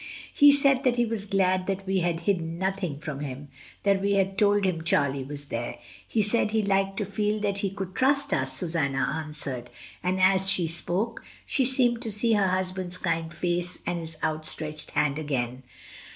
"He said that he was glad that we had hidden nothing from him — that we had told him Charlie was here. He said he liked to feel that he could trust us," Susanna answered, and as she spoke she seemed to see her husband's kind face and his out stretched hand again.